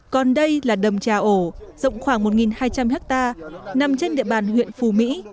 còn đây là đầm trà ổ rộng khoảng một hai trăm linh hectare nằm trên địa bàn huyện phù mỹ